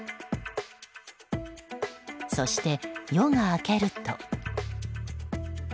そして、夜が明けると。